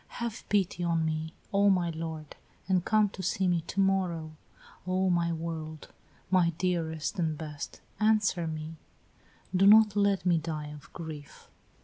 Have pity on me, O my lord, and come to see me to morrow. O, my world, my dearest and best, answer me; do not let me die of grief."